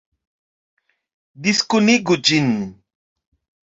Diskunigu ĝin!